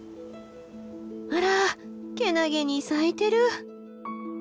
あらけなげに咲いてる。